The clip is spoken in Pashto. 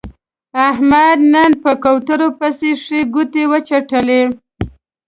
احمد نن په کورتو پسې ښې ګوتې و څټلې.